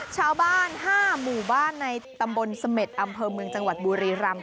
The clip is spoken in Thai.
ชาวบ้าน๕หมู่บ้านในตำบลเสม็ดอำเภอเมืองจังหวัดบุรีรำ